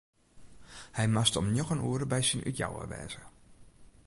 Hy moast om njoggen oere by syn útjouwer wêze.